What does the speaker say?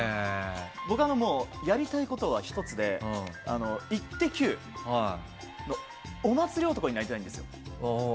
僕はやりたいことは１つで「イッテＱ！」のお祭り男になりたいんですよ。